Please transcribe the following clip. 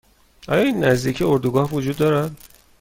آیا این نزدیکی اردوگاه وجود دارد؟